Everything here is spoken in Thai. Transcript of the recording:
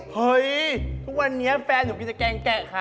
เฮ้ยทุกวันนี้แฟนหนูมีตะแกงแกะค่ะ